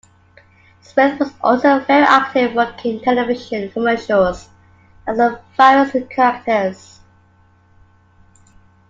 Smith was also very active working in television commercials as various characters.